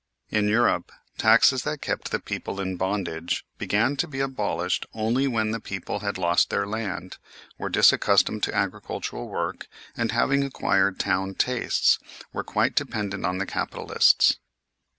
In Europe, taxes that kept the people in bondage began to be abolished only when the people had lost their land, were disaccustomed to agricultural work, and, having acquired town tastes, were quite dependent on the capitalists.